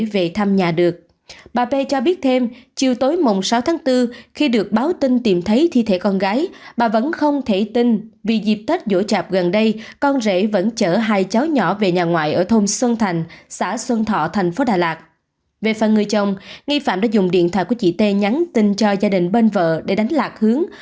về phần người chồng nghi phạm đã dùng điện thoại của chị t nhắn tin cho gia đình bên vợ để đánh lạc hướng